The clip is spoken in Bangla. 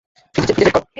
ফ্রিজে, চেক করো।